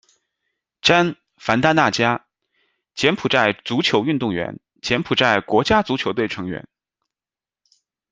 詹·帆榙纳加，柬埔寨足球运动员，柬埔寨国家足球队成员。